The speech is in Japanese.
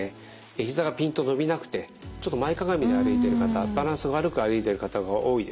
ひざがピンと伸びなくてちょっと前かがみで歩いている方バランス悪く歩いている方が多いです。